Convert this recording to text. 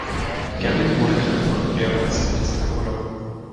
Gary wurde krank und der Patient ist im Urlaub.